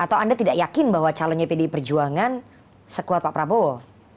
atau anda tidak yakin bahwa calonnya pdi perjuangan sekuat pak prabowo